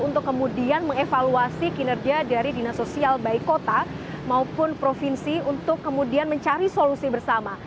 untuk kemudian mengevaluasi kinerja dari dinas sosial baik kota maupun provinsi untuk kemudian mencari solusi bersama